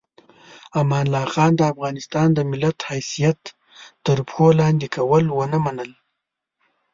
امان الله خان د افغانستان د ملت حیثیت تر پښو لاندې کول ونه منل.